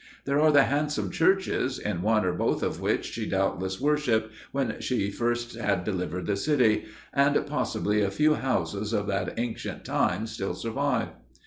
There are the handsome churches, in one or both of which she doubtless worshiped, when she had first delivered the city, and possibly a few houses of that ancient time still survive.